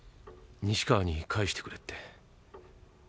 西川に返してくれって。